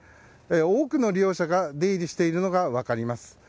多くの利用者が出入りしているのが分かります。